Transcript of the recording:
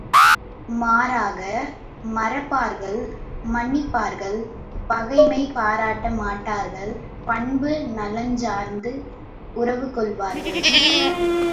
மாறாக மறப்பார்கள் மன்னிப்பார்கள் பகைமை பாராட்ட மாட்டார்கள் பண்பு நலஞ்சார்ந்து உறவு கொள்வார்கள்.